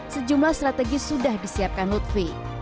sejumlah strategi sudah disiapkan lutfi